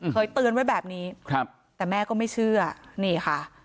เคยเตือนไว้แบบนี้ครับแต่แม่ก็ไม่เชื่อนี่ค่ะ